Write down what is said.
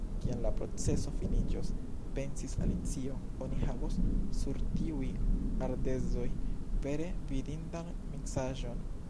"Kiam la proceso finiĝos," pensis Alicio, "oni havos sur tiuj ardezoj vere vidindan miksaĵon!"